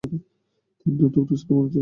তিনি নাটক রচনায় মনোযোগী হন।